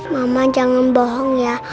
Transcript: mama jangan bohong ya